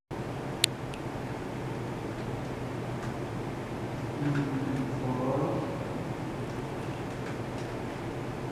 Me ne mvoè;